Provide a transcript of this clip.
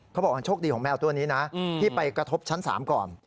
เขาบอกว่าโชคดีของแมวตัวนี้นะที่ไปกระทบชั้น๓ก่อน